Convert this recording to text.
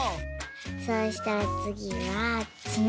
そうしたらつぎはツノ。